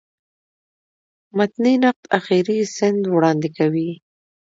متني نقد آخري سند وړاندي کوي.